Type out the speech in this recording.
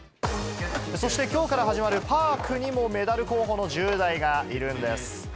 そしてきょうから始まるパークにもメダル候補の１０代がいるんです。